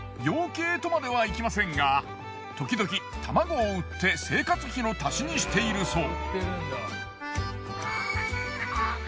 養鶏とまではいきませんが時々卵を売って生活費の足しにしているそう。